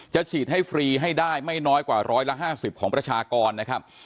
ฉีดให้ฟรีให้ได้ไม่น้อยกว่า๑๕๐ของประชากรนะครับ